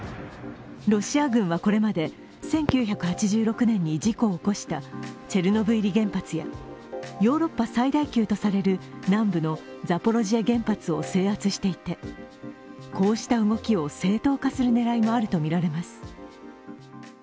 ロシア軍はこれまで、１９８６年に事故を起こしたチェルノブイリ原発やヨーロッパ最大級とされる南部のザポロジエ原発を制圧していてこうした動きを正当化する狙いもあるとみられます。